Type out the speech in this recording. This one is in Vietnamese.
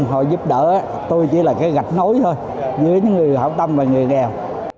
họ giúp đỡ tôi chỉ là cái gạch nối thôi giữa những người hảo tâm và người nghèo